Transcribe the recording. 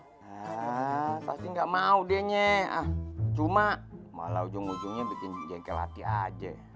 yaa pasti gak mau dehnya cuma malah ujung ujungnya bikin jengkel hati aja